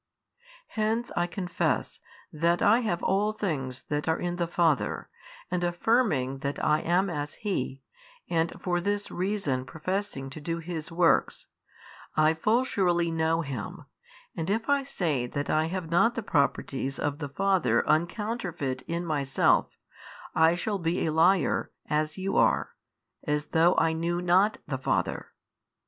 Hence I confess that I have all things that are in the Father, and affirming that I am as He, and for this reason professing to do His works, I full surely hnow Him; and if I say that I have not the properties of the Father uncounterfeit in Myself, I shall he a liar, as you are, as though I knew not the Father.